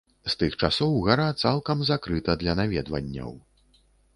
З тых часоў гара цалкам закрыта для наведванняў.